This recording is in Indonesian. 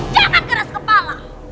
jangan keras kepala